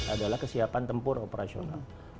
adalah kesiapan tempur operasional